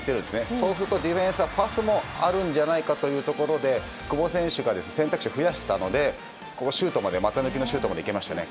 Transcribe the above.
そうするとディフェンスはパスもあるんじゃないかということで久保選手が選択肢を増やしたので股抜きシュートまでいけましたね。